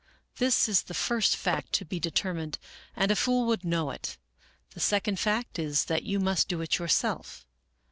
This is the first fact to be determined, and a fool would know it. The second fact is that you must do it yourself.